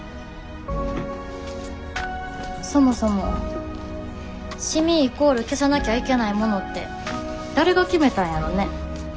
そもそも「染み」イコール「消さなきゃいけないもの」って誰が決めたんやろね。